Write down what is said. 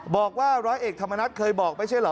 บอกว่าร้อยเอกธรรมนัฐเคยบอกไม่ใช่เหรอ